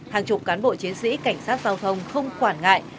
hàng chục cán bộ chiến sĩ cảnh sát giao thông không quản ngại